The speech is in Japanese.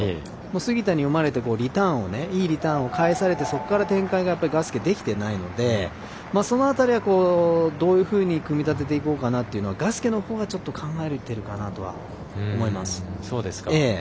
杉田に読まれていいリターンを返されてそこから展開が、ガスケできていないのでその辺りは、どういうふうに組み立てていこうかなというのはガスケのほうが少し考えているかなと思います。